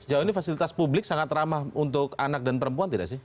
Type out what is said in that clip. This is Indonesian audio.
sejauh ini fasilitas publik sangat ramah untuk anak dan perempuan tidak sih